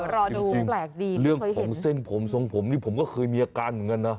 รอดูแปลกดีเรื่องของเส้นผมทรงผมนี่ผมก็เคยมีอาการเหมือนกันนะ